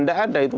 tidak ada itu